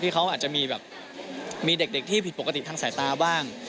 ที่เขาอาจจะมีเด็กที่ผิดปกติทางสายตาบ้าง